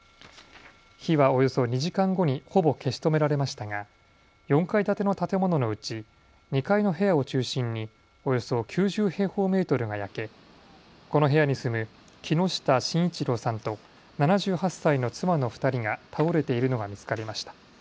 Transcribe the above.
火はおよそ２時間後にほぼ消し止められましたが４階建ての建物のうち２階の部屋を中心におよそ９０平方メートルが焼けこの部屋に住む木下信一郎さんと７８歳の妻の２人が倒れているのが見つかりました。